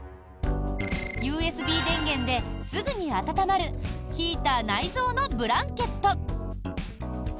ＵＳＢ電源ですぐに温まるヒーター内蔵のブランケット。